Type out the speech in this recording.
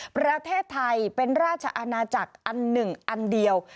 ประเทศไทยเป็นราชอาณาจักรอันหนึ่งอันเดียว